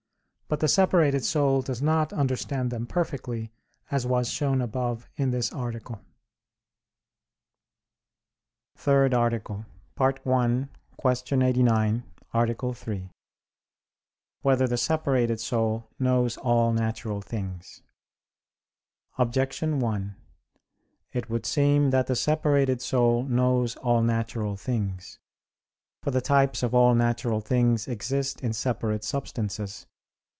But the separated soul does not understand them perfectly, as was shown above in this article. _______________________ THIRD ARTICLE [I, Q. 89, Art. 3] Whether the Separated Soul Knows All Natural Things? Objection 1: It would seem that the separated soul knows all natural things. For the types of all natural things exist in separate substances.